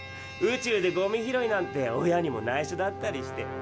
宇宙でゴミ拾いなんて親にもないしょだったりして。